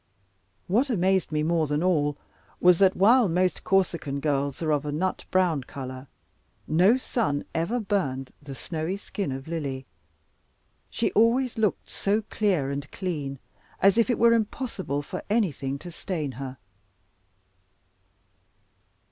What amazed me more than all, was that while most Corsican girls are of the nut brown order, no sun ever burned the snowy skin of Lily: she always looked so clear and clean, as if it were impossible for anything to stain her.